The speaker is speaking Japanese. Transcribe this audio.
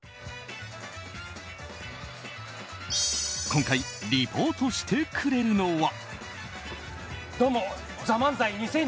今回、リポートしてくれるのは。